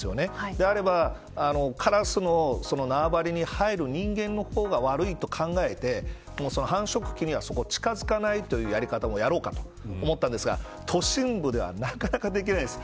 であれば、カラスの縄張りに入る人間の方が悪いと考えて繁殖期にはそこに近づかないというやり方をやろうかと思ったんですが都心部ではなかなかできないです。